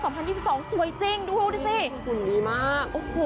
สวยจริงดูดูสิคุณดีมาก